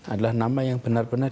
adalah nama yang benar benar